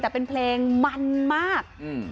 แต่เป็นเพลงมันมาก